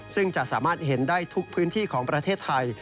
ซึ่งจะสามารถเห็นได้ทุกพื้นที่ของประเทศไทย